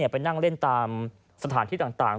ไปนั่งเล่นตามสถานที่ต่าง